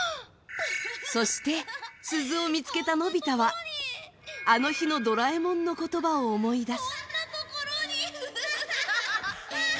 そして、鈴を見つけたのび太はあの日のドラえもんの言葉を思い出す。